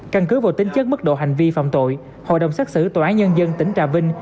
căn cứ vào tính chất mức độ hành vi phạm tội hội đồng xác xử tòa án nhân dân tỉnh trà vinh